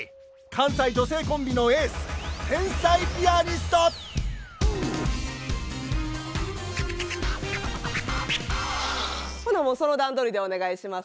関西女性コンビのエースほなもうその段取りでお願いします。